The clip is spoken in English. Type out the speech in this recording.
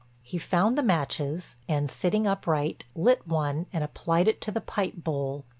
He found the matches and, sitting upright, lit one and applied it to the pipe bowl.